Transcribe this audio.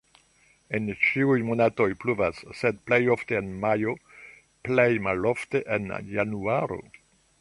En ĉiuj monatoj pluvas, sed plej ofte en majo, plej malofte en januaro.